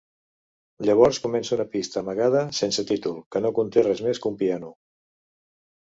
Llavors comença una pista amagada sense títol, que no conté res més que un piano.